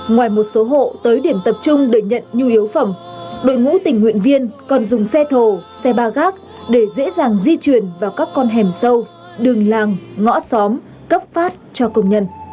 ngoài một số hộ tới điểm tập trung để nhận nhu yếu phẩm đội ngũ tình nguyện viên còn dùng xe thồ xe ba gác để dễ dàng di chuyển vào các con hẻm sâu đường làng ngõ xóm cấp phát cho công nhân